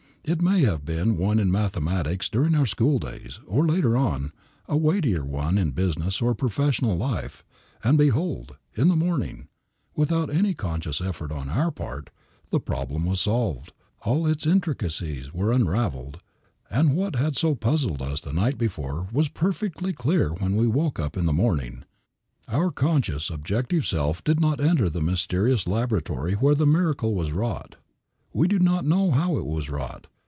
It may have been one in mathematics during our school days, or, later on, a weightier one in business or professional life, and behold, in the morning, without any conscious effort on our part, the problem was solved; all its intricacies were unraveled, and what had so puzzled us the night before was perfectly clear when we woke up in the morning. Our conscious, objective self did not enter the mysterious laboratory where the miracle was wrought. We do not know how it was wrought.